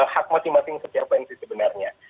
hak masing masing setiap fans sih sebenarnya